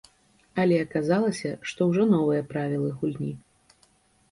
Але аказалася, што ўжо новыя правілы гульні.